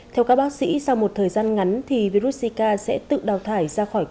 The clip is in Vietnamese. theo các bác sĩ sau một thời gian ngắn thì virus zika sẽ thay đổi